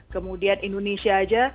kemudian indonesia aja